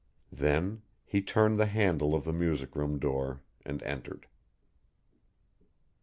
Then he turned the handle of the music room door and entered.